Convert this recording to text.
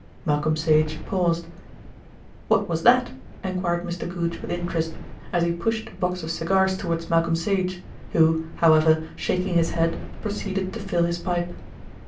Malcolm Sage paused. "What was that?" enquired Mr. Goodge with interest, as he pushed a box of cigars towards Malcolm Sage, who, however, shaking his head, proceeded to fill his pipe.